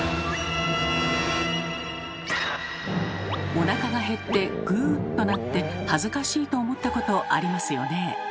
おなかが減って「ぐ」と鳴って恥ずかしいと思ったことありますよね。